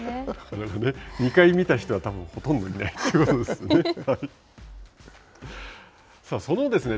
２回見た人は、たぶんほとんどいないということですね。